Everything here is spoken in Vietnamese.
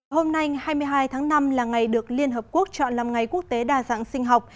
hôm nay hai mươi hai tháng năm là ngày được liên hợp quốc chọn làm ngày quốc tế đa dạng sinh học